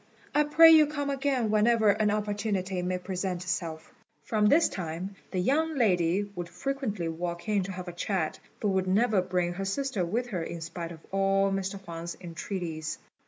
I pray you come again whenever an opportunity may present itself." From this time the young lady would frequently walk in to have a chat, but would never bring her sister with her in spite of all Mr. Huang's entreaties.